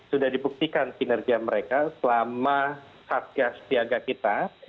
sudah dibuktikan kinerja mereka selama karya setiaga kita